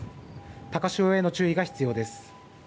高潮への注意が必要です。